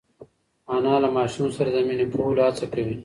انا له ماشوم سره د مینې کولو هڅه کوي.